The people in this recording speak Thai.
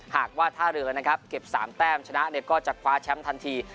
หากว่าท่าเรือนะครับเก็บ๓แต้มชนะเนี่ยก็จะคว้าแชมป์ทันที